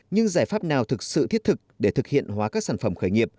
nhưng giải pháp nào thực sự thiết thực để thực hiện hóa các sản phẩm khởi nghiệp